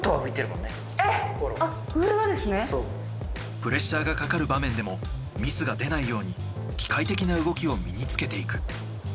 プレッシャーがかかる場面でもミスが出ないように機械的な動きを身につけていく。